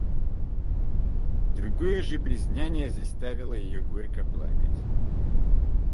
Другое же признание заставило ее горько плакать.